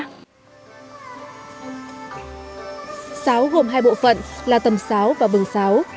sáo gồm hai bộ phận là tầm sáu và bừng sáo